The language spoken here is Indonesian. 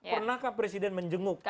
pernahkah presiden menjenguk seorang